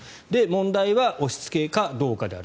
問題は押しつけかどうかである。